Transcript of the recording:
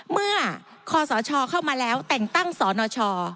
เมื่อขอสอชอเข้ามาแล้วแต่งตั้งสอนชอ